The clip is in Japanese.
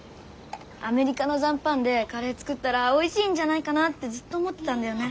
アメリカの残飯でカレー作ったらおいしいんじゃないかなってずっと思ってたんだよね。